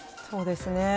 そうですね。